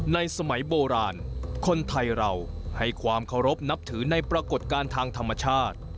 สมัยโบราณคนไทยเราให้ความเคารพนับถือในปรากฏการณ์ทางธรรมชาติ